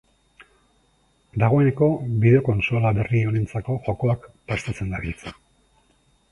Dagoeneko bideo-kontsola berri honentzako jokoak prestatzen dabiltza.